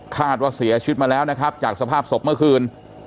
คาดว่าเสียชีวิตมาแล้วนะครับจากสภาพศพเมื่อคืน